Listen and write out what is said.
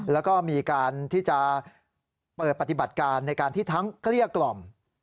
แล้วก็มีการที่จะเปิดปฏิบัติการในการที่ทั้งเกลี้ยกล่อม